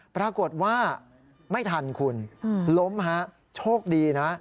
ปรากฏว่าไม่ทันคุณล้มฮะโชคดีนะ